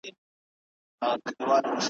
په هغه ګړي یې جنس وو پیژندلی ,